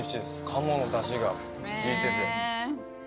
鴨のだしが効いてて。